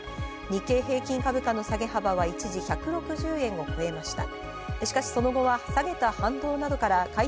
日経平均株価の下げ幅は一時１６０円を超えました。